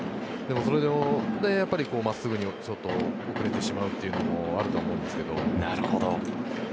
それで真っすぐに遅れてしまうというのもあると思うんですけど。